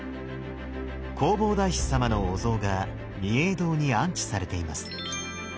弘法大師様のお像が御影堂に安置されています。